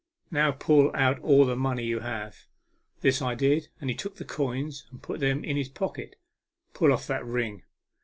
" Now pull out all the money you have." This I did, and he took the coins and put them in his pocket. " Pull off that ring."